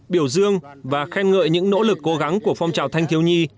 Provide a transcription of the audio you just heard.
biểu dương và khen ngợi những nỗ lực cố gắng của phong trào thanh thiếu nhi